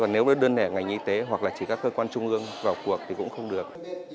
nếu đơn hề ngành y tế hoặc chỉ các cơ quan trung ương vào cuộc thì cũng không được